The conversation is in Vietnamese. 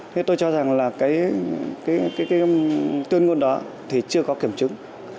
thế tôi cho rằng là cái tuyên ngôn đó thì chưa có kiểm chứng